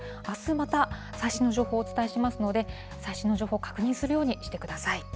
あす、また最新の情報をお伝えしますので、最新の情報、確認するようにしてください。